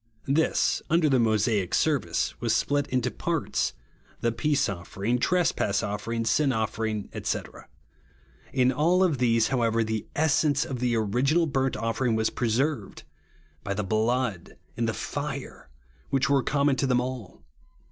This, under tlie Mosaic service, w^as split into parts, — the peace offering, trespass offering, sin offering, &c. In all of these, however, the essence of the original burnt offering w^as preserved, — by the blood and the fire, which were common to them all.